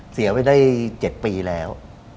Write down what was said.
เสียไว้ได้๗ปีแล้ว